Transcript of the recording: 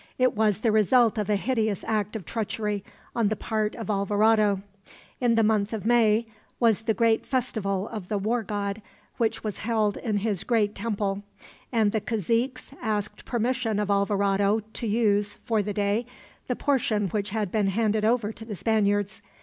It was the result of a hideous act of treachery, on the part of Alvarado. In the month of May was the great festival of the war god, which was held in his great temple; and the caziques asked permission of Alvarado to use, for the day, that portion which had been handed over to the Spaniards.